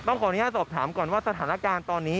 ขออนุญาตสอบถามก่อนว่าสถานการณ์ตอนนี้